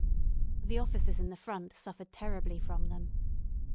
The officers in the front suffered terribly from them.